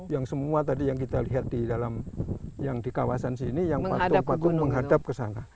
yang semua tadi yang kita lihat di dalam yang di kawasan sini yang patung patung menghadap ke sana